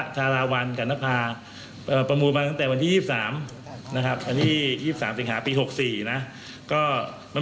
ชาราวันกระณภาประมูลมาตั้งแต่วันที่๒๓สิงหาปี๑๙๖๔